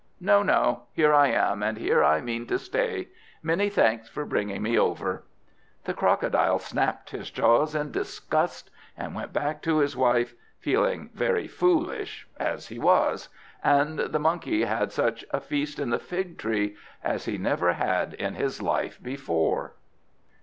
No, no; here I am, and here I mean to stay. Many thanks for bringing me over!" The Crocodile snapped his jaws in disgust, and went back to his wife, feeling very foolish, as he was; and the Monkey had such a feast in the fig tree as he never had in his life before.